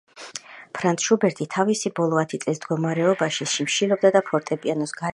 ფრანც-შუბერტი ტავისი ბოლოათი წლის მდგომარეობასი სიმშილობდა და ფორტეპიანოს გარეშე უკრავდა